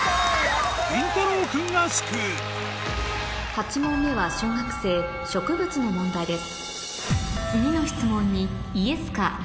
８問目は小学生植物の問題です